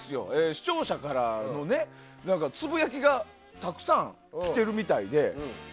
視聴者からつぶやきがたくさん来ているみたいで。